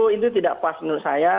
itu tidak pas menurut saya